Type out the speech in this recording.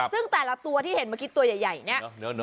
ซึ่งแต่ละตัวที่เห็นเมื่อกี้ตัวใหญ่เนี่ย